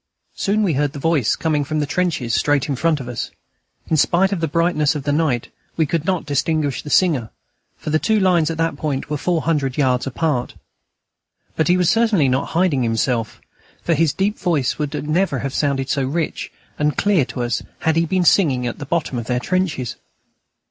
Soon we heard the voice coming from the trenches straight in front of us. In spite of the brightness of the night, we could not distinguish the singer, for the two lines at that point were four hundred yards apart. But he was certainly not hiding himself, for his deep voice would never have sounded so rich and clear to us had he been singing at the bottom of their trenches.